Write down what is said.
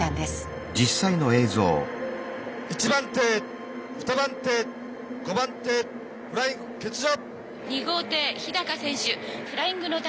１番艇２番艇５番艇フライング欠場！